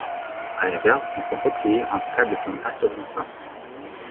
À l'inverse, ils sont repliés en cas de son assourdissant.